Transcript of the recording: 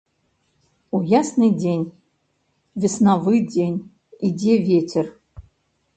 У ясны дзень, веснавы дзень, ідзе вецер.